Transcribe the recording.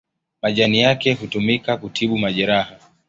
Majani yake hutumika kutibu majeraha.